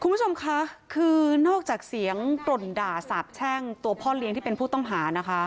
คุณผู้ชมคะคือนอกจากเสียงกร่นด่าสาบแช่งตัวพ่อเลี้ยงที่เป็นผู้ต้องหานะคะ